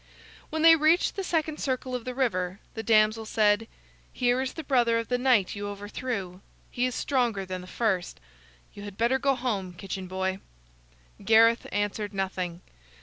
When they reached the second circle of the river, the damsel said: "Here is the brother of the knight you overthrew. He is stronger than the first. You had better go home, kitchen boy." Gareth answered nothing.